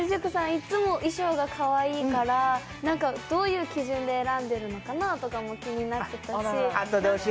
いっつも衣装がかわいいからどういう基準で選んでるのかなとかも気になってたし。